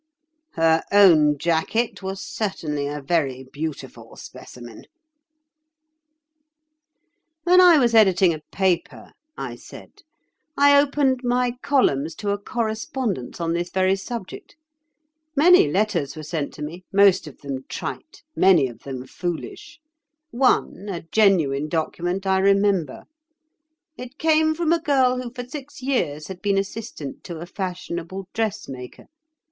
Her own jacket was certainly a very beautiful specimen." [Picture: It seized a natural human passion and turned it to good uses] "When I was editing a paper," I said, "I opened my columns to a correspondence on this very subject. Many letters were sent to me—most of them trite, many of them foolish. One, a genuine document, I remember. It came from a girl who for six years had been assistant to a fashionable dressmaker.